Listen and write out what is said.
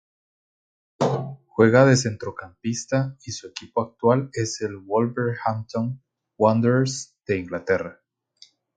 Juega de centrocampista y su equipo actual es el Wolverhampton Wanderers de Inglaterra.